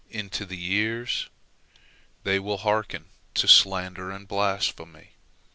Into the ears? They will hearken to slander and blasphemy.